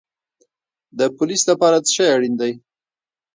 د پولیس لپاره څه شی اړین دی؟